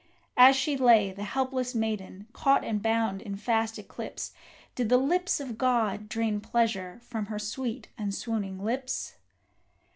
As she lay, the helpless maiden, caught and bound in fast eclipse, Did the lips of god drain pleasure from her sweet and swooning lips?